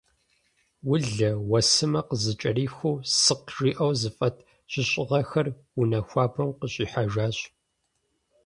Улэ, уэсымэ къызыкӏэрихыу, «сыкъ» жиӏэу зэфӏэт жьыщӏыгъэхэр унэ хуабэм къыщӏихьэжащ.